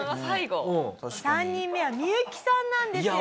３人目はミユキさんなんですよ！